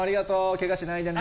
けがしないでね。